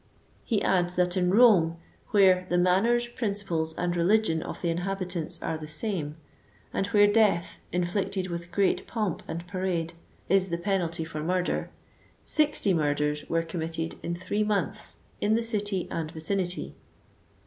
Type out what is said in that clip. He adds that in Rome, where the manners, principles and religion of the inhabitants are the same," and where death, inflicted with great pomp and parade, is the penalty for murder, sixty murders were com mitted in three months, in the city and vicinity."